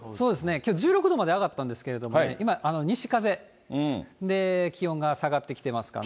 きょう、１６度まで上がったんですけれどもね、今、西風、気温が下がってきてますからね。